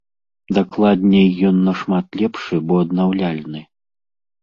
Дакладней, ён нашмат лепшы, бо аднаўляльны.